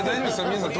皆さん